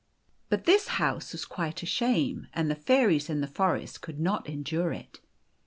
But this house was quite a shame, and the fairies in the forest could not endure it.